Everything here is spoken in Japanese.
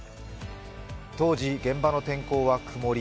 当時、現場の天候は曇り。